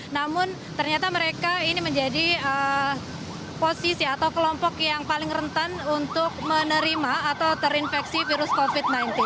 namun ternyata mereka ini menjadi posisi atau kelompok yang paling rentan untuk menerima atau terinfeksi virus covid sembilan belas